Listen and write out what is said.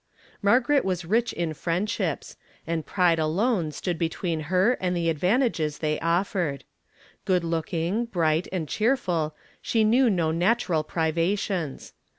Margaret was rich in friendships; and pride alone stood between her and the advantages they offered. Good looking, bright, and cheerful, she knew no natural privations.